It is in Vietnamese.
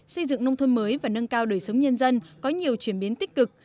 xây dựng nông thôn mới và nâng cao đời sống nhân dân có nhiều chuyển biến tích cực